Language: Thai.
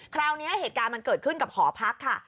คราวนี้เหตุการณ์เหตุการณ์เหมือนเกิดขึ้นกับหอพักค่ะ